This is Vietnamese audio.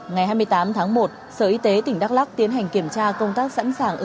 ngày hai mươi tám tháng một sở y tế tỉnh đắk lắc tiến hành kiểm tra công tác sẵn sàng ứng phó